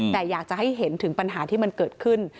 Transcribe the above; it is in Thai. แต่อยากจะให้เห็นถึงปัญหาที่มันเกิดขึ้น